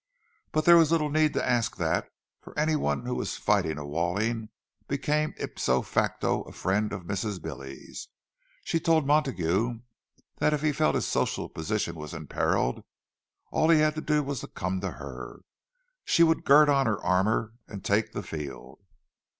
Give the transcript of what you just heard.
But there was little need to ask that, for anyone who was fighting a Walling became ipso facto a friend of Mrs. Billy's. She told Montague that if he felt his social position was imperilled, all he had to do was to come to her. She would gird on her armour and take the field.